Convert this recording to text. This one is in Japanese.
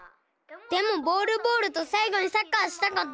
でもボール・ボールとさい後にサッカーしたかった。